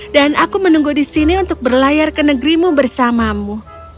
dan aku menunggu di sini untuk berlayar ke negerimu bersamamu